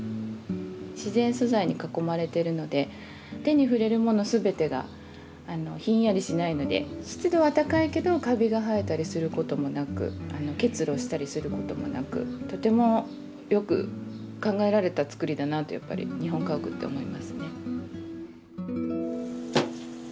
自然素材に囲まれてるので手に触れる物全てがひんやりしないので湿度は高いけどかびが生えたりすることもなく結露したりすることもなくとてもよく考えられた造りだなってやっぱり日本家屋って思いますね。